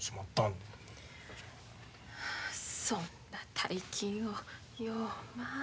そんな大金をようまあ。